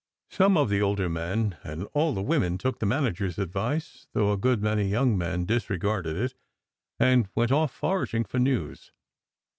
Some of the older men, and all the women, took the manager s advice, though a good many young men disre garded it, and went off foraging for news.